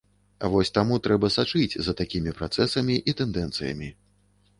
Вось таму трэба сачыць за такім працэсамі і тэндэнцыямі.